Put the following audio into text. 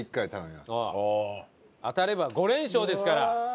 当たれば５連勝ですから。